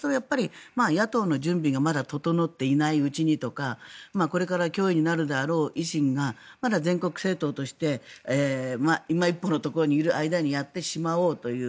野党の準備がまだ整っていないうちにとかこれから脅威になるであろう維新がまだ全国政党として今一歩のところにいる間にやってしまおうという。